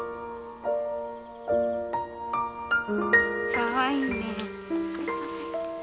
かわいいね。